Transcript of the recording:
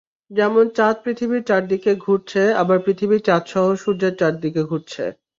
যেমন, চাঁদ পৃথিবীর চারদিকে ঘুরছে, আবার পৃথিবী চাঁদসহ সূর্যের চারদিকে ঘুরছে।